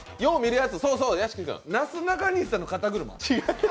なすなかにしさんの肩車？